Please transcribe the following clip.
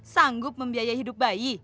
sanggup membiaya hidup bayi